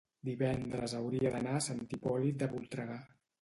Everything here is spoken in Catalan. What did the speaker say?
divendres hauria d'anar a Sant Hipòlit de Voltregà.